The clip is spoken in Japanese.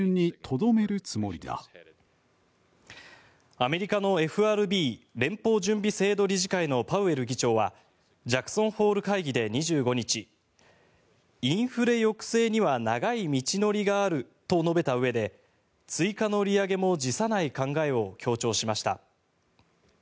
アメリカのＦＲＢ・連邦準備制度理事会のパウエル議長はジャクソンホール会議で２５日インフレ抑制には長い道のりがあると述べたうえで追加の利上げも辞さない考えを強調しました。